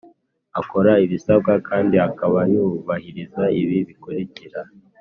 Akora ibisabwa kandi akaba yubahiriza ibi bikurikira